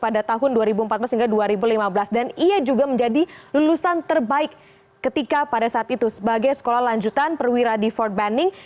dan dia juga menjadi lulusan terbaik ketika pada saat itu sebagai sekolah lanjutan perwira di fort benning